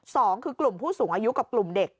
สองคือกลุ่มผู้สูงอายุกับกลุ่มเด็ก